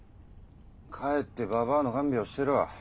帰ってばばあの看病してろ。